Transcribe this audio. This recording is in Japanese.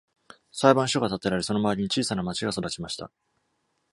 裁判所が建てられ、その周りに小さな町が育ちました。